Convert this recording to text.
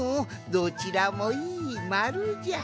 どちらもいいまるじゃ！